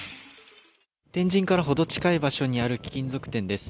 天神からほど近い場所にある、貴金属店です。